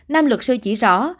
nam luật sư chỉ rõ